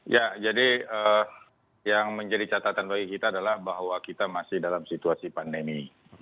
ya jadi yang menjadi catatan bagi kita adalah bahwa kita masih dalam situasi pandemi